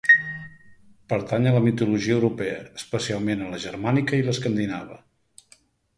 Pertany a la mitologia europea, especialment a la germànica i l'escandinava.